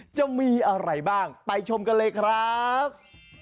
จะมีอะไรบ้างไปชมกันเลยครับ